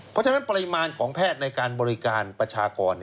เพราะฉะนั้นปริมาณของแพทย์ในการบริการประชากร